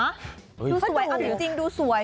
ดูสวยอันนี้จริงดูสวย